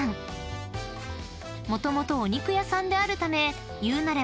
［もともとお肉屋さんであるためいうなれば］